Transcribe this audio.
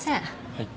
はい。